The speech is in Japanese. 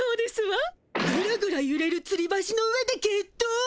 ぐらぐらゆれるつり橋の上で決闘？